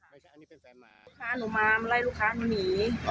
ลูกค้าหนูมามาไล่ลูกค้าหนูหนี